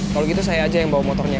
kalau gitu saya aja yang bawa motornya